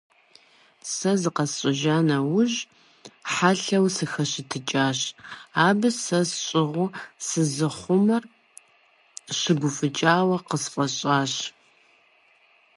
Сэ зыкъэсщӀэжа нэужь, хьэлъэу сыхэщэтыкӀащ, абы сэ сщӀыгъу сызыхъумэр щыгуфӀыкӀауэ къысфӀэщӀащ.